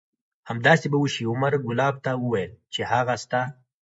همداسې به وشي. عمر کلاب ته وویل چې هغه ستا